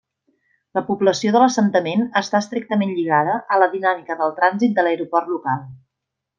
La població de l'assentament està estrictament lligada a la dinàmica del trànsit de l'aeroport local.